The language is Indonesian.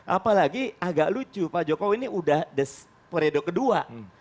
apalagi agak lucu pak jokowi ini udah periode kedua